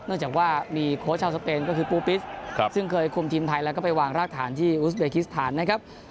นอกจากว่ามีโครชาวสเปนคือปูปิศซึ่งเคยคุมทีมไทยก็ไปวางรากฐานที่อุ๊สเบย์ฮิสตานนะครับ